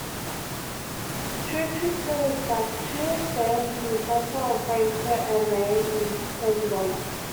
Struwwelpeter's statue stands in the center of Frankfurt am Main, in Hoffman's honour.